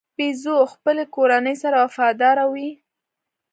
بیزو د خپلې کورنۍ سره وفاداره وي.